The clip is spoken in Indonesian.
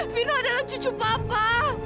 vino adalah cucu papa